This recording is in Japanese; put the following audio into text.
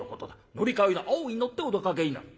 乗り換えの青に乗ってお出かけになる。